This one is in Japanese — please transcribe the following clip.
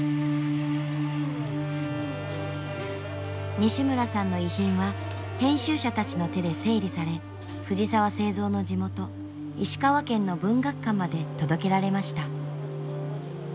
西村さんの遺品は編集者たちの手で整理され藤澤造の地元石川県の文学館まで届けられました。